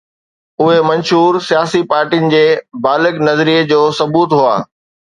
اهي منشور سياسي پارٽين جي بالغ نظري جو ثبوت هئا.